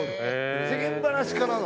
世間話からの。